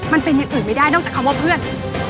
มันเป็นอย่างอื่นไม่ได้นอกจากคำว่าเพื่อน